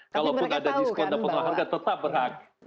kalaupun ada diskon dapatlah harga tetap berhak